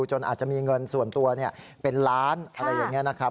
จนอาจจะมีเงินส่วนตัวเป็นล้านอะไรอย่างนี้นะครับ